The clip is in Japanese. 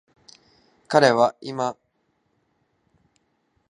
彼は今吾輩の輪廓をかき上げて顔のあたりを色彩っている